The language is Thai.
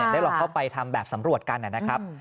ได้ลองเข้าไปทำแบบสำรวจกันนะครับ